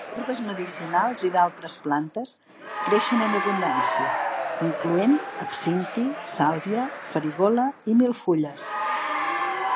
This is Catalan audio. Herbes medicinals i d'altres plantes creixen en abundància, incloent absinti, sàlvia, farigola i milfulles.